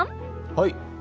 はい！